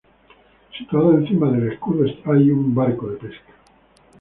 Situado encima del escudo está un barco de pesca.